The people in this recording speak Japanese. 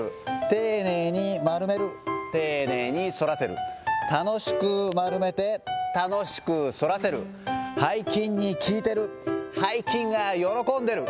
丁寧に丸める、丁寧にそらせる、楽しく丸めて、楽しく反らせる、背筋に効いてる、背筋が喜んでる。